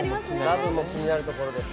ラブも気になるところですね。